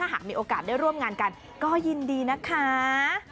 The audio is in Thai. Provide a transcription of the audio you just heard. หากมีโอกาสได้ร่วมงานกันก็ยินดีนะคะ